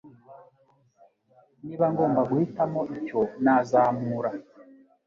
Niba ngomba guhitamo icyo nazamura -